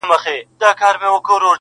خپروي زړې تيارې پر ځوانو زړونو.!